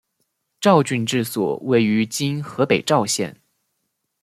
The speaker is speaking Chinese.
赵郡治所位于今河北赵县。